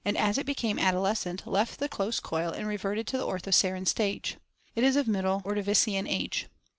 as it became i adolescent left the close coil and re l verted to the orthoceran stage (Fig. no). It is of middle Ordovician age.